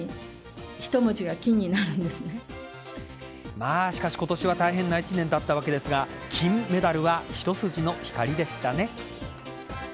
まあ、しかし今年は大変な一年だったわけですが金メダルは一筋の光でしたね。